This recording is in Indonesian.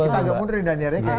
kita agak mudah nih daniel ya